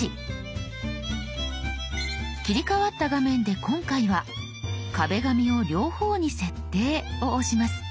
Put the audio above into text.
切り替わった画面で今回は「壁紙を両方に設定」を押します。